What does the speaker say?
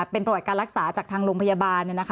เป็นประวัติการรักษาจากทางโรงพยาบาล